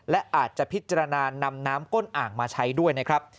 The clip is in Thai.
และอาจจะพิจารณานำน้ำก้นอ่างมาใช้ด้วยนะครับ